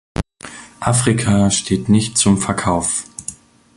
Afrika steht nicht zum Verkauf.